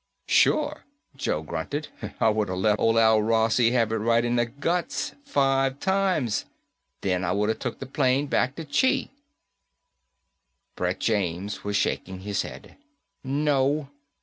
"Sure," Joe grunted. "I woulda let old Al Rossi have it right in the guts, five times. Then I woulda took the plane back to Chi." Brett James was shaking his head. "No.